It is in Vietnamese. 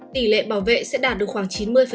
tỷ lệ bảo vệ sẽ đạt được khoảng chín mươi